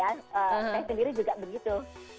saya sendiri juga begitu